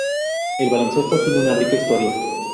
El baloncesto tiene una rica historia.